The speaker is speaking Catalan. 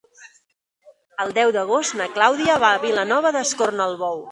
El deu d'agost na Clàudia va a Vilanova d'Escornalbou.